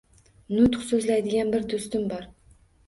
Nutq so’zlaydigan bir do’stim bor.